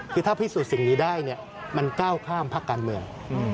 คือถ้าพิสูจน์สิ่งนี้ได้เนี่ยมันก้าวข้ามภาคการเมือง